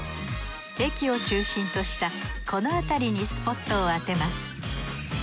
駅を中心としたこのあたりにスポットを当てます。